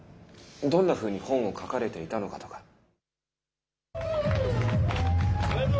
どんなふうに本を書かれていたのかとか。